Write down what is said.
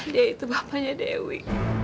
dia itu bapaknya dewi